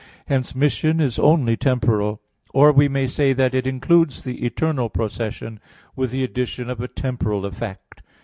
Hence mission is only temporal. Or we may say that it includes the eternal procession, with the addition of a temporal effect.